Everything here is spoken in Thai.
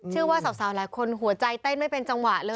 ว่าสาวหลายคนหัวใจเต้นไม่เป็นจังหวะเลย